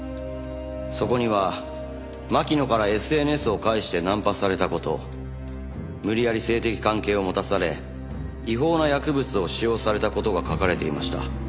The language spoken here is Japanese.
そこには巻乃からＳＮＳを介してナンパされた事無理やり性的関係を持たされ違法な薬物を使用された事が書かれていました。